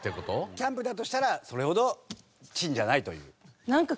キャンプだとしたらそれほど珍じゃないという。